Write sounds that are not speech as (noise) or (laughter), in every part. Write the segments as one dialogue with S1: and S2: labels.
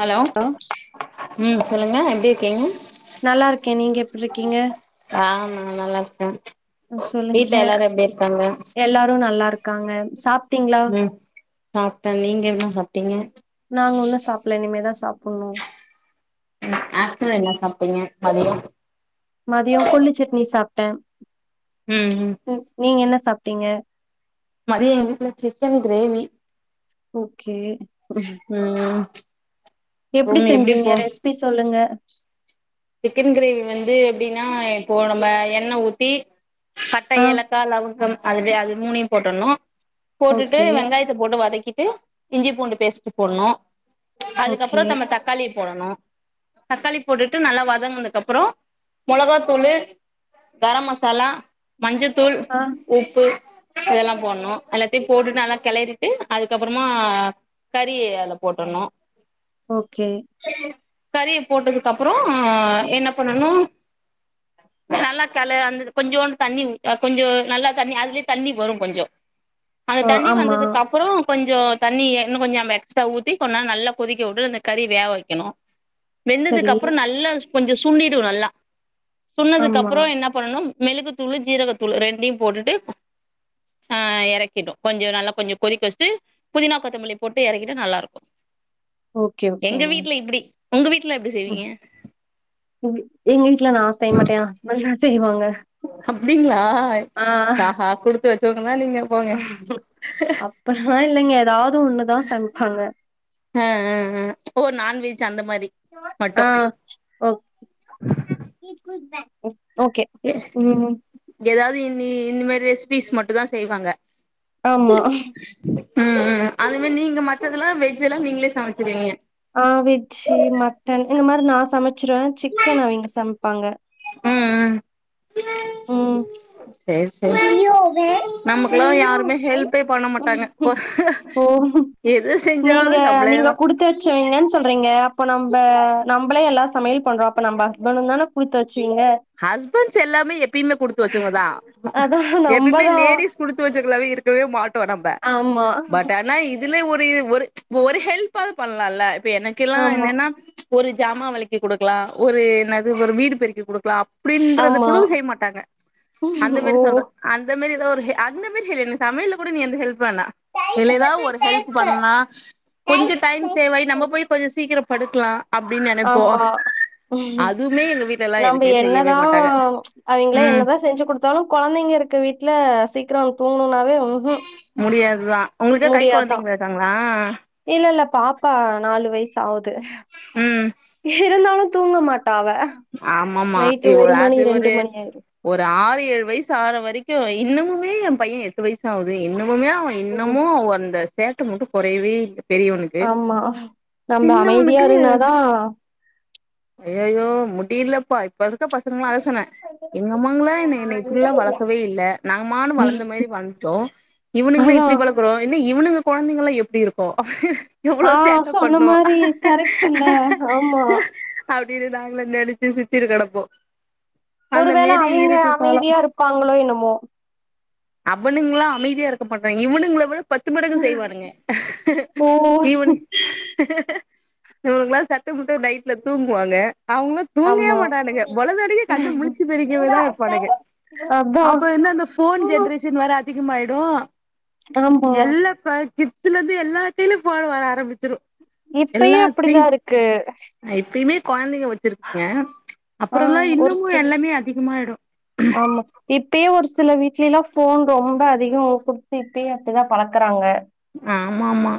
S1: hello ம் சொல்லுங்க எப்டி இருக்கீங்க
S2: நல்லா இருக்கேன் நீங்க எப்டி இருக்கீங்க
S1: ஆ நல்லா இருக்க
S2: அ சொல்லுங்க அஸ் எல்லாரு நல்லா இருக்காங்க சாப்
S1: ம் சாப்ட்ட நீங்க என்னா சாப்ட்டீங்க
S2: இல்ல இனிமே தா சாப்புட்ணு
S1: ம் ஆஃப்டர்னுன் என்னா சாப்ட்டீங்க மதியோ
S2: மதியோ கொள்ளு சட்னி சாப்ட்ட
S1: ம் ம்
S2: நீங்க என்ன சாப்ட்டீங்க
S1: மதியோ எங்க வீட்ல சிக்கன் கிரேவி
S2: ஓகே
S1: ம்
S2: எப்டி
S1: ரூம்
S2: செஞ்சீங்க
S1: போச்
S2: ரெஸ்பி சொல்லுங்க
S1: சிக்கன் கிரேவி வந்து எப்டின்னா இப்போ நம்ம எண்ண ஊத்தி பட்ட
S2: ஆ
S1: ஏல க்கா லவுங்கம் அது அது மூணயு போட்டணு போட்டுட்டு
S2: ஓகே
S1: வெங்காய த்த போட்டு வதக்கிட்டு இஞ்சி பூண்டு பேஸ்ட்டு போட்னு‌ அதுக்கப்புறோ
S2: ஓகே
S1: தம்ம தக் தக்காளிய போடணு தக்காளி போட்டுட்டு நல்லா வதங்கனக்கு அப்புறோ மொளகாத்தூளு கரம் மசாலா மஞ்சத்தூள்
S2: அ
S1: உப்பு இதெல்லா போட்ணு எல்லாத்தையு போட்டுட்டு நல்லா கெளறிட்டு அதுக்கப்புறமா கறி அதுல போட்டணு
S2: ஓகே
S1: கறிய போட்டதுக்கு அப்புறோ என்ன பண்ணணு நல்லா கள அந்த கொஞ்சோண்டு தண்ணி உ அ கொஞ்சோ நல்லா தண்ணி அதுலயே தண்ணி வரு கொஞ்சோ அந்த
S2: ஓ
S1: தண்ணி
S2: ஆமா
S1: வந்ததுக்கு அப்பறோ கொஞ்சோ தண்ணிய இன்னு கொஞ்சோ நம்ம எக்ஸ்ட்ரா ஊத்தி கொஞ்ச நேரோ நல்லா கொதிக்க உடு அந்த கறி வேவ வைக்கணு
S2: சரி
S1: வெந்ததுக்கு அப்புறோ நல்லா சு கொஞ்சோ சுண்டிடு நல்லா சுன்னதுகு
S2: ஆமா
S1: அப்புறோ என்ன பண்ணனு மெளகு தூளு ஜீரகத்தூளு ரெண்டையும் போட்டுட்டு ஆ எறக்கிடு கொஞ்சோ நல்லா கொஞ்சோ கொதிக்க வச்சிட்டு புதினா கொத்தமல்லி போட்டு எறக்கிட்டா நல்லா இருக்கு
S2: ஓகே
S1: எங்க
S2: ஓகேங்க
S1: வீட்ல இப்டி உங்க வீட்ல எப்படி
S2: ம்,
S1: செய்வீங்க
S2: (unintelligible) எங்க வீட்ல நா செய்ய மாட்ட எ ஹஸ்பண்டுதா செய்வாங்க
S1: அப்டிங்களா ஆஹா
S2: ஆ
S1: குடுத்து வச்சோவுங்க தா நீங்க போங்க
S2: அப்பல்லா இல்லைங்க எதாவது ஒண்ணுதா சமைப்பாங்க
S1: அ அ அ ஓ நான்வெஜ் அந்த மாரி
S2: ஆ
S1: மட்டு
S2: ஓ ஓகே ம்
S1: எதாவது இன்னி இன்னு மாரி ரெஸ்ப்பிஸ் மட்டு தா செய்வாங்க
S2: ஆம்மா
S1: ம் ம் அந்த மேர் நீங்க மத்ததுல்லா வெஜ் எல்லா நீங்ளே சமச்சிருவிங்க
S2: அ வெஜ்ஜி மட்டன் இந்த மாரி நா சமச்சிருவ சிக்கனு அவிங்க சமப்பாங்க
S1: ம் ம்
S2: ம்
S1: சேரி சேரி நமக்குல்லா யாருமே ஹெல்ப்பே பண்ண மாட்டாங்க
S2: ஓ
S1: எது
S2: நீங்க
S1: செஞ்சாலு
S2: நீங்க
S1: நம்மளேதா
S2: குடுத் வச்சீங்கன்னு சொல்றீங்க அப்ப தச்செய்ங்கன் சொல்றீங்க அப்போ நம்ப நம்பளே எல்லா சமையல் பண்றோ அப்ப நம்ப ஹஸ்பணுந்தன புலுத் வச்சீங்க
S1: ஹஸ்பண்ஸ் எல்லாமே எப்பயுமே குடுத்து வச்சங்கவதா
S2: அதா
S1: எப்பயுமே
S2: நம்பதா
S1: லேடிஸ் குடுத்து வச்சவங்காளவே இருக்கவே மாட்டோ நம்ப
S2: ஆமா
S1: பட் ஆனா இ துல ஒரு ஒரு ஒரு ஹெல்ப்பாவுது பண்ணலால்ல இப்ப எனக்கெல்லா
S2: ஆமா
S1: என்னென்னா ஒரு ஜாமா வெலைக்கி குடுக்கலா ஒரு என்னாது ஒரு வீடு பெருக்கி குடுக்கலா இப்டின்றது
S2: ஆமா
S1: கூடவும் செய் மாட்டாங்க அந்த மேரி
S2: ஓ
S1: சொல்றன் அந்த மேரிதா ஒரு ஹெ அந்த மேரி (unintelligible) நீ சமையல்ல கூட நீ எந்த ஹெல்ப் வேணா இல்ல
S2: தைக்கு பத்து
S1: ஏதாவு ஒரு ஹெல்ப்
S2: தேக்கு
S1: பண்ணா
S2: தை
S1: கொஞ்சொ டைம் சேவ் ஆயி
S2: தை
S1: நம்ப போய் கொஞ்சொ சீக்கிர படுக்லா அப்படின் நெனைப்போ
S2: ஆமா
S1: அதுமே எங்க வீட்டுல எல்லா எது
S2: ப்ப என்னதா அவிங்கள என்னதா செஞ்சு குடுத் த்தாலு கொழந்தைங்க இருக்க வீட்ல சீக்கரொ தூங்கணுன்னாவே ம்ஹிம்
S1: முடியாதுதா உங்குளுக்கு கை கொழந்தைங்க இருக்காங்ளா
S2: இல்ல இல்ல பாப்பா நாலு வைசு ஆவுது
S1: ம்
S2: இருந்தாலு தூங்க மாட்டா அவ
S1: ஆமாமா
S2: நைட்டு
S1: இவ
S2: ஒரு மணி
S1: அது
S2: ரெண்டு
S1: ஒரு
S2: மணி ஆயிரு
S1: ஒரு ஆறு ஏழு வைசு ஆற வரிக்கு இன்னமுமே எம் பைய எட்டு வைஸ் ஆவுது இன்னமுமே அவ
S2: ம்
S1: இன்னமு அவன் அந்த சேட்டை மட்டும் குறயவே இல்ல பெரியவனுக்கு
S2: ஆமா நம்ம
S1: சின்ன
S2: அமைதியா
S1: ஒண்ணுக்கு
S2: இருந்தாதா
S1: ஐயயோ முடியிலப்பா இப்ப இருக்க பசங்களா அதசொன்ன எங்கம்மாங்ல்லா என்ன என்னை இப்படில்லா வளக்கவே இல்ல நாங்கமானு வளந்த மேரி வளர்ந்துட்டோ இவுனுங்ல
S2: அதா
S1: இப்புடி வளக்குரோ இன்னு இவனுங்க கொழந்தைங்கள எப்புடி இருப்போ எவ்வளோ
S2: ஆ
S1: சேட்ட
S2: சொன்ன
S1: பண்ணோ
S2: மாரி கரெக்ட் இல்ல ஆமா
S1: அப்படின்னு நாங்களே நெனச்சி சிரிச்சுனு கெடப்போ அந்த
S2: ஒருவேளை
S1: மாரி
S2: அவிங்க
S1: இருக்கு காலோ
S2: அமைதியா இருப்பாங்களோ என்னமோ
S1: அவனுங்களாம் அமைதியாஇருக்கமாட்டாய்ங்க இவுனுங்ளவி பத்து மடங்கு செய்வானுங்க
S2: ஓ
S1: இவனுக் நமக்குலா சத்த முத்த நைட்ல தூங்குவாங்க அவுங்க தூங்கயே
S2: ஆமா
S1: மாட்டானுங்க பொலதனிக்கு கண்ணு முளிச்சு
S2: அதா
S1: பெடிக்கவேதா இருப்பானுங்க அப்ப இந்து அந்த ஃபோன் ஜென்ரேஷ் ஷன் வேற அதிகமாயிடு
S2: ஆமா
S1: எல்லா ப்ப கிட்ஸ்லந்து எல்லாத்தியுமே ஃபோனு வர ஆரமிச்சுரு
S2: இப்பயு அப்படிதாருக்கு
S1: அ இப்பயுமே கொழந்தைக வ ச்சருக்குங்க
S2: ஆ
S1: அப்பறல்லா
S2: ஒரு
S1: இன்னமு
S2: சில
S1: எல்லாமே அதிகமாய்டு
S2: ஆமா இப்பயே ஒரு சில வீட்லிலா ஃபோன் ரொம்ப அதிகொ குடுத்து இப்பயே அப்பிதா பளக்கறாங்க
S1: ஆமா ஆமா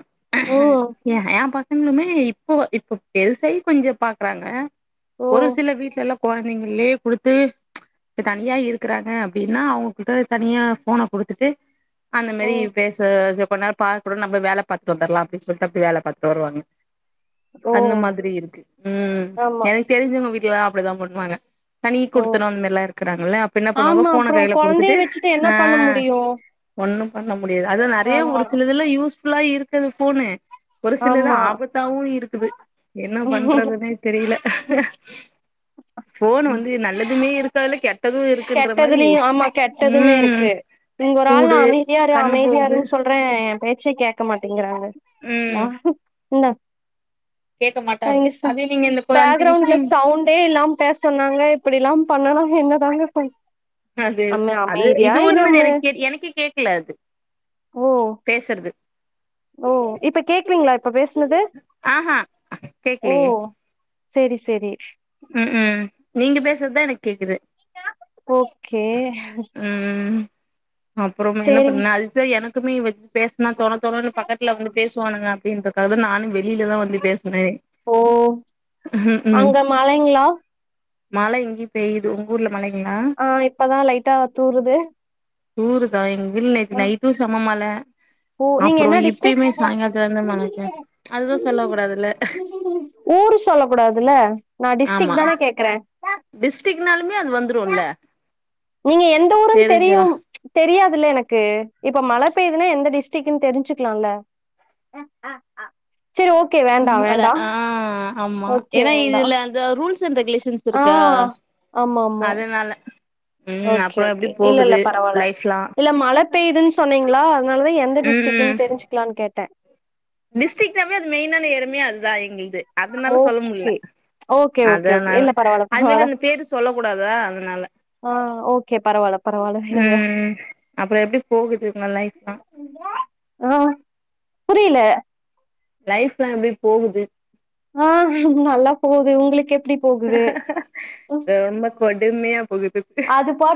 S1: எ எ பசங்களுமே இப்போ இப்ப பெருசாயி கொஞ்சோ பாக்குறாங்க
S2: ஓ
S1: ஒரு சில வீட்லலா கொழந்தைங்கள்லயே குடுத்து இப்ப தனியா இருக்கறாங்க அப்டினா அவுங்ககிட்ட தனியா ஃபோன குடுத்துட்டு அந்த
S2: ஓ
S1: மாரி பேச கொஞ்சோ நேரோ பாக்கடு நம்ம வேல பாத்துட்டு வந்தர்லா அப்டின் சொல்ட்டு அப்டியே வேல பாத்தட்டு வருவாங்க
S2: ஓ
S1: அந்த மாதிரி இருக்கு ம்
S2: ஆமா
S1: எனக் தெரிஞ்சோங்க வீட்லலா அப்டிதா பண்ணுவாங்க தனி
S2: ஓ
S1: குடுத்தணு அந்த மாரிலா இருக்கறாங்கள அப்ப என்ன பண்ணுவாங்க
S2: ஆமா
S1: ஃபோன
S2: அப்றோ
S1: கைல குடுத்துட்டு
S2: கொழந்தைய வச்சுட்டு என்ன
S1: ஆ
S2: பண்ண முடியு
S1: ஒன்னு பண்ண முடியாது அத்தா நறைய ஒரு
S2: ஆமா
S1: சிலதுலா யூஸ் ஃபுல்லா இருக்குது ஃபோனு ஒரு சிலது
S2: ஆமா
S1: ஆபத்தாவு இருக்குது என்ன பண்றதுன்னே தெரில ஃபோன் வந்து நல்லதுமே இருக்கால கெட்
S2: கெட்டதுலயு ஆமா கெட்டதுமே
S1: ம்
S2: இருக்கு இங்க ஒரு ஆள் நா
S1: சூடு
S2: அமைதியா இரு
S1: கண்ணு
S2: அமைதியா
S1: போகுது
S2: இருன் சொல் றோ எ பேச்சே கேக்க மாட்டேங்கிறாங்க
S1: ம் கேக்க மாட்டாங்க
S2: மிஸ்ஸு
S1: அதே நீங்க இந்த ஒரு அஞ்சு நிமிஷோ
S2: பேக்ரவுண்ட்ல
S1: நீங்க
S2: சவுண்டே இல்லாம் பேஸ் சொன்னாங்க இப்டிலா பண்ணா என்னதாங்க பண்
S1: அது
S2: அம்மு
S1: அது
S2: அமைதியா
S1: இது
S2: இரு
S1: ஒன்னு
S2: அம்மு
S1: எனக்கு எனக்கே கேக்கல அது
S2: ஓ
S1: பேசுறது
S2: ஓ இப்ப கேக்லைங்ளா இப்ப பேசுனது
S1: ஆஹா
S2: ஓ
S1: கேக்கலையே
S2: சேரி சேரி
S1: ம் ம் நீங்க பேசுறதுதா எனக்கு கேக்குது
S2: ஓகே
S1: ம் அப்புறமா என்ன
S2: சேரிங்க
S1: பண்ணால் இங்க எனக்குமே பேசனா தோண தோண பக்கத்துல வந்து பேசுவானுங்க அப்டின்றக்காக நானு வெளிலதா வந்து பேசற
S2: ஓ அங்க மழைங்ளா
S1: மழ இங்யு பெய்து உங்க ஊர்ல மழைங்ளா
S2: ஆ இப்பதா லைட்டா தூறுது
S1: தூறுதா எங்க ஊர்ல நேத்து நைட்டும் சம மழ
S2: ஓ நீங்க
S1: அப்புறோ
S2: என்ன டிஸ்டிக்
S1: இப்பயுமே சாயங்காலத்துலருந்து மழைங்க அதுதா சொல்ல கூடாதுல்ல
S2: ஊரு சொல்லகூடாதுல்ல நா டிஸ்ட்ரிக் தான‌கேக்குற
S1: டிஸ்ட்டிக்னாலுமே அது வந்துருல
S2: நீங்க எந்த ஊருன் தெரியும் தெரியாதுல்ல எனக்கு இப்ப மழ பெய்துனா எந்த டிஸ்ட்டிக்ன் தெரிஞ்சுக்லால சேரி ஓகேங்
S1: ம் அதுல ஆ ஆமா
S2: ஓகே
S1: எனா
S2: வேண்டா
S1: இதுல அந்த ரூல்ஸ் அண்ட் ரெகுலேஸ்‌‌‌ஷன்
S2: ஆ
S1: வெச்சிருக்கா
S2: ஆமா ஆமா
S1: அதனால ம்
S2: ஓகே
S1: அப்புறோ
S2: ஓகே
S1: எப்டி
S2: இல்ல இல்ல
S1: போகுது
S2: பரவால்ல
S1: லைஃப்லா
S2: இல்ல மழ பெய்துன் சொன்னீங்ளா அதனாலதா எந்த
S1: ம்
S2: டிஸ்டிக்ன் தெரிஞ்சிக்லான் கேட்ட
S1: டிஸ்ட்டிக்னாமே அது மெயின்னான எடமே அதுதா எங்குள்து அதனால சொல்ல முடில
S2: ஓகே ஓகே ஓகே ஓகே
S1: அதனால
S2: இல்ல பரவால்ல
S1: அது மாரி
S2: பரவால்ல
S1: அந்த பேரு சொல்ல கூடாதா அதனால
S2: ஆ ஓகே பரவால்ல பரவால்ல விடுங்க
S1: ம் அப்பறோ எப்டி போகுது உங்க லைஃப்லா
S2: ஆ புரில
S1: லைஃப்லா எப்டி போகுது
S2: ஆ நல்லா போகுது உங்குளுக்கு எப்டி போகுது
S1: ரொம்ப கொடுமையா போகுது
S2: அது பாட்